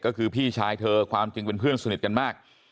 ก็คือพี่ชายเธอความจริงเป็นเพื่อนสนิทกันมาก